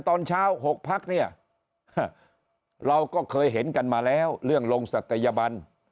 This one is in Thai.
ตอนเช้า๖พักเนี่ยเราก็เคยเห็นกันมาแล้วเรื่องลงศักยบัน